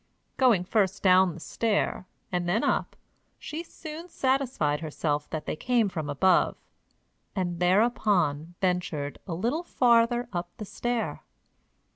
Going first down the stair, and then up, she soon satisfied herself that they came from above, and thereupon ventured a little farther up the stair.